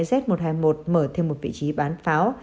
z một trăm hai mươi một mở thêm một vị trí bán pháo